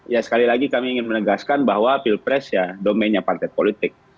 ya sekali lagi kami ingin menegaskan bahwa pilpres ya domainnya partai politik